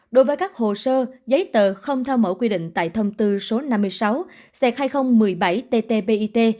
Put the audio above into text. đối với các hồ sơ giấy tờ không theo mẫu quy định tại thông tư số năm mươi sáu c hai nghìn một mươi bảy ttpit